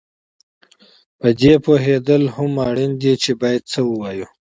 په دې پوهېدل هم اړین دي چې باید څه ووایې